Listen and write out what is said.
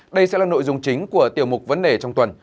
đây sẽ là nội dung chính của tiểu mục vấn đề trong tuần